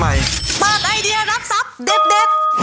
ปากไอเดียรักษัพเด็ด